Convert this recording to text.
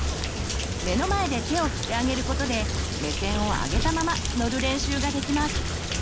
目の前で手を振ってあげることで目線を上げたまま乗る練習ができます。